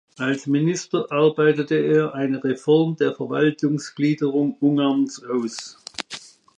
Als Minister arbeitete er eine Reform der Verwaltungsgliederung Ungarns aus.